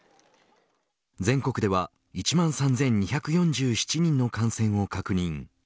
全国では１万３２４７人の感染を確認。